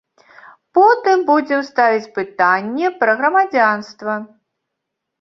Потым будзем ставіць пытанне пра грамадзянства.